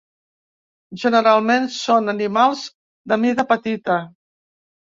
Generalment són animals de mida petita.